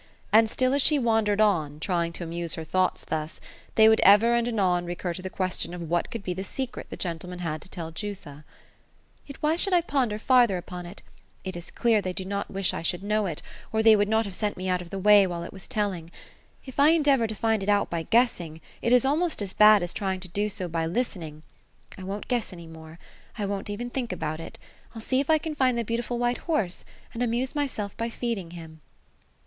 And still as she wandered on, trying to amuse her thoughts thus, they would ever and anon recur to the question of what could be the secret the gentleman had to tell Jutha. ^ Yet why should I ponder farther upon it ? It is clear, they did not wisb I should know it, or they would not have sent me out of the way while it was telling. If I endeavor, to find it out by guessing, it is almost as bad as trying to do so by listening. I won't guess any more. I won't even think about it. I'll see if I can find the beautiful white horse ; and amuse myself by feeding him."